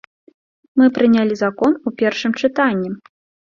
Мы прынялі закон у першым чытанні.